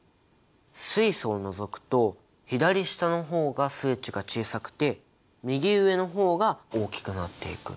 水素を除くと左下の方が数値が小さくて右上の方が大きくなっていく。